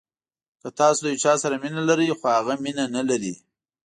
که تاسو د یو چا سره مینه لرئ خو هغه مینه نلري.